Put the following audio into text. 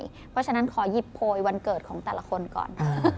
เพราะฉะนั้นขอหยิบโพยวันเกิดของแต่ละคนก่อน